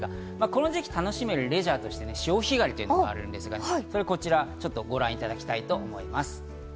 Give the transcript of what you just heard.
この時期楽しめるレジャーとして、潮干狩りがあるんですが、こちらをご覧いただきたいと思います。